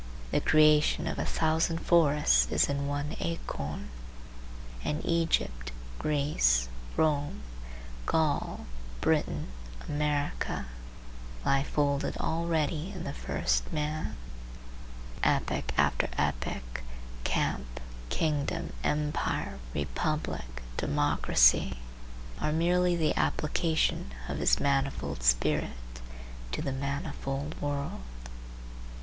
The creation of a thousand forests is in one acorn, and Egypt, Greece, Rome, Gaul, Britain, America, lie folded already in the first man. Epoch after epoch, camp, kingdom, empire, republic, democracy, are merely the application of his manifold spirit to the manifold world.